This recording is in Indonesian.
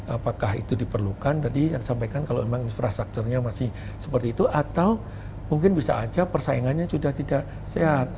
apakah itu diperlukan tadi yang disampaikan kalau memang infrastrukturnya masih seperti itu atau mungkin bisa saja persaingannya sudah tidak sehat